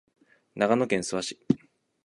長野県諏訪市